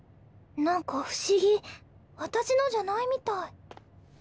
何か不思議私のじゃないみたい。